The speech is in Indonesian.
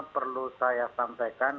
perlu saya sampaikan